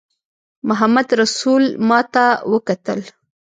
محمدرسول ماته وکتل.